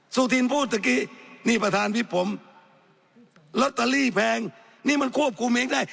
สุธินพูดเมื่อกี้นี่ประธานพี่ผมแพงนี่มันควบคุมเองได้